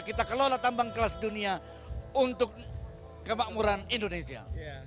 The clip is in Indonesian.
kita kelola tambang kelas dunia untuk kemakmuran indonesia